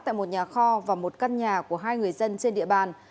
tại một nhà kho và một căn nhà của hai người dân trên địa bàn